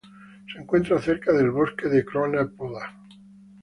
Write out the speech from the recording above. Se encuentra cerca del bosque de Crna Poda.